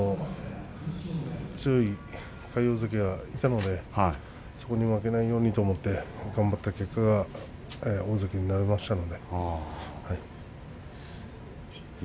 強い魁皇関がいたのでそこに負けないようにと思って頑張った結果が大関になれましたので、はい。